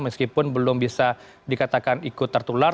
meskipun belum bisa dikatakan ikut tertular